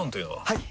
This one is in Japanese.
はい！